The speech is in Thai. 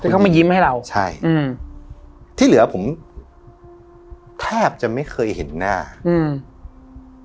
คือเขามายิ้มให้เราใช่อืมที่เหลือผมแทบจะไม่เคยเห็นหน้าอืม